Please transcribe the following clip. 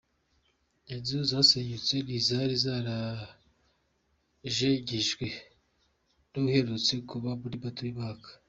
Inzu zasenyutse, ni izari zarajegejwe n’uherutse kuba muri Mata uyu mwaka.